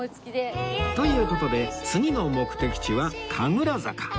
という事で次の目的地は神楽坂